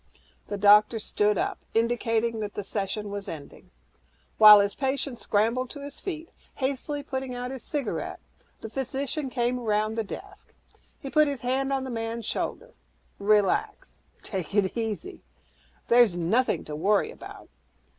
The doctor stood up, indicating that the session was ending. While his patient scrambled to his feet, hastily putting out his cigarette, the physician came around the desk. He put his hand on the man's shoulder, "Relax, take it easy nothing to worry about.